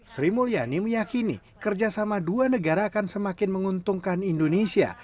sri mulyani meyakini kerjasama dua negara akan semakin menguntungkan indonesia